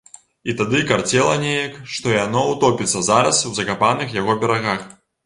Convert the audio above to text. І тады карцела неяк, што яно ўтопіцца зараз у закапаных яго берагах.